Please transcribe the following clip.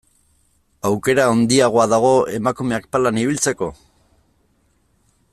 Aukera handiagoa dago emakumeak palan ibiltzeko?